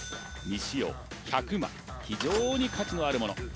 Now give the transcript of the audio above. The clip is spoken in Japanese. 未使用１００枚非常に価値のあるもの